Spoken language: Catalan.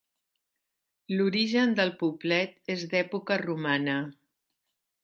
L'origen del poblet és d'època romana.